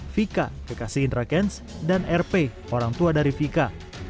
vika kekasih indra kents dan rp orang tua dari vika